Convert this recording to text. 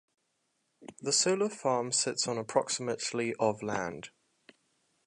The solar farm sits on approximately of land.